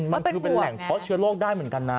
มันคือเป็นแหล่งเพาะเชื้อโรคได้เหมือนกันนะ